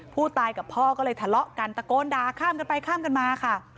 ผู้ตายกับพ่อก็เลยทะเลาะกันตะโกนด่าข้ามกันไปข้ามกันมาค่ะ